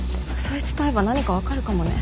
そいつと会えば何か分かるかもね。